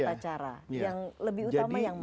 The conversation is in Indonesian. jadi yang lebih utama yang mana